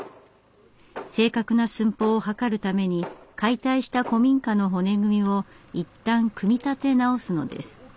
正確な寸法を測るために解体した古民家の骨組みをいったん組み立て直すのです。